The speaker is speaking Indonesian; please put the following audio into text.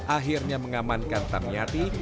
akhirnya mengamankan tamiati